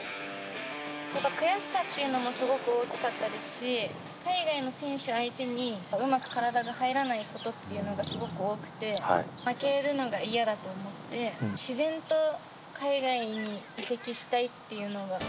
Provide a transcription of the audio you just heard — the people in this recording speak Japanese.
悔しさってのもすごく大きかったですし、海外の選手相手に、うまく体が入らないことっていうのがすごく多くて、負けるのが嫌だと思って、自然と海外に移籍したいっていうのが。